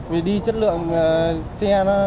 vì đi chất lượng xe nó